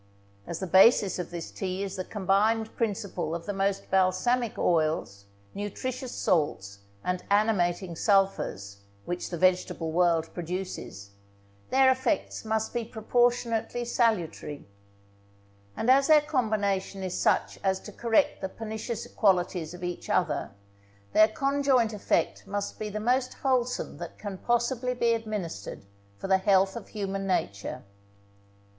As the basis of this tea is the combined principle of the most balsamic oils, nutritious salts, and animating sulphurs, which the vegetable world produces, their effects must be proportionably salutary. And as their combination is such as to correct the pernicious qualities of each other, their conjoint effect must be the most wholesome that can possibly be administered for the health of human nature.